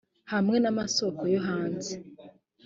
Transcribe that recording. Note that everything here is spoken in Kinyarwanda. hamwe n amasoko yo hanze